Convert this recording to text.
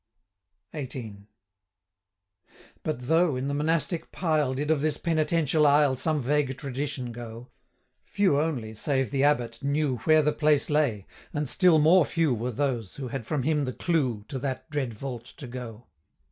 XVIII. But though, in the monastic pile, Did of this penitential aisle 335 Some vague tradition go, Few only, save the Abbot, knew Where the place lay; and still more few Were those, who had from him the clew To that dread vault to go.